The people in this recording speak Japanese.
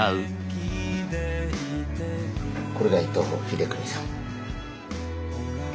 これが伊藤英邦さん。